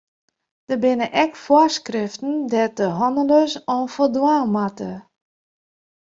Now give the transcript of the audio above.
Der binne ek foarskriften dêr't hannelers oan foldwaan moatte.